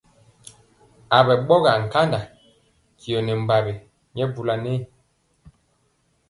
A jwi ɓɔgaa nkanda tyɔ nɛ mbawi nyɛ bula nɛ.